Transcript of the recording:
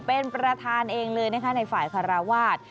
เป็นประธานเองเลยนะคะในฝ่ายคาราวาส